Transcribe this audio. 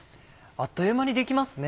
あっという間にできますね。